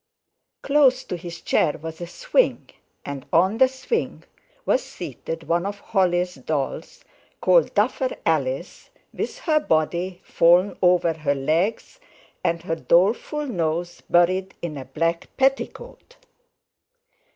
Close to his chair was a swing, and on the swing was seated one of Holly's dolls—called "Duffer Alice"—with her body fallen over her legs and her doleful nose buried in a black petticoat.